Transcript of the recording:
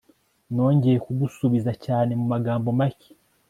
Nongeye kugusuhuza cyane mu magambo make